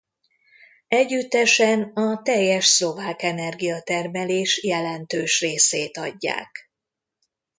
Együttesen a teljes szlovák energiatermelés jelentős részét adják.